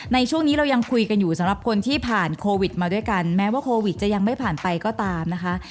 ในช่วงนี้เรายังคุยกันอยู่สำหรับคนที่ผ่านโควิดมาด้วยกันแม้ว่าโควิดจะยังไม่ผ่านไปก็ตามนะคะ